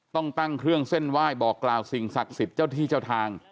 ต้องตั้งเครื่องเส้นไหว้บอกกล่าวสิ่งศักดิ์สิทธิ์เจ้าที่เจ้าทาง